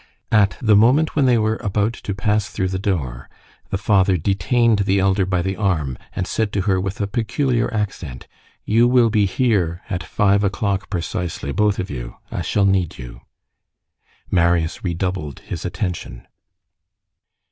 At the moment when they were about to pass through the door, the father detained the elder by the arm, and said to her with a peculiar accent:— "You will be here at five o'clock precisely. Both of you. I shall need you." Marius redoubled his attention.